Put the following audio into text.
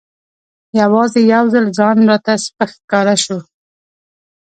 یوازې یو ځل ځان راته سپک ښکاره شو.